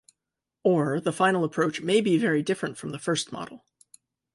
Or, the final approach may be very different from the first model.